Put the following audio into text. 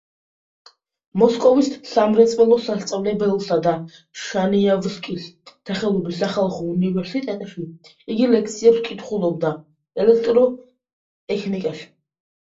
მოსკოვის სამრეწველო სასწავლებელსა და შანიავსკის სახელობის სახალხო უნივერსიტეტში იგი ლექციებს კითხულობდა ელექტროტექნიკაში.